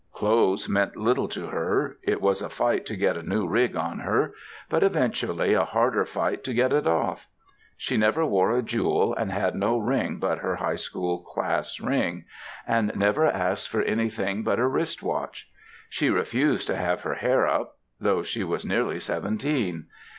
Clothes meant little to her. It was a fight to get a new rig on her; but eventually a harder fight to get it off. She never wore a jewel and had no ring but her High School class ring, and never asked for anything but a wrist watch. She refused to have her hair up; though she was nearly seventeen.